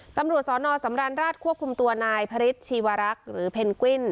ตำรวจสนสำรราชควบคุมตัวนายพศิวารักษ์พก